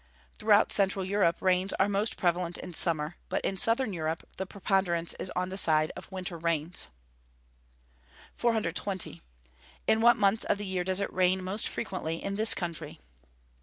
_ Throughout Central Europe rains are most prevalent in summer, but in Southern Europe the preponderance is on the side of winter rains. 420. _In what months of the year does it rain most frequently in this country?